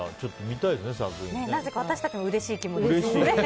なぜか私たちもうれしい気持ちですね。